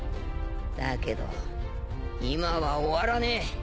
だけど今は終わらねえ。